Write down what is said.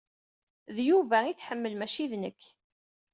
D Yuba ay tḥemmel, maci d nekk.